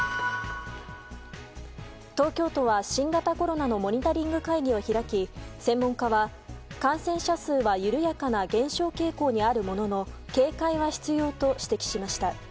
東京都は新型コロナのモニタリング会議を開き専門家は感染者数は緩やかな減少傾向にあるものの警戒は必要と指摘しました。